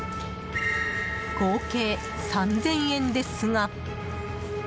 合計３０００円ですが。